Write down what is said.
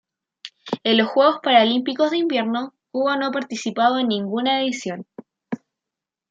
En los Juegos Paralímpicos de Invierno Cuba no ha participado en ninguna edición.